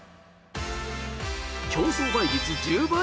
競争倍率１０倍。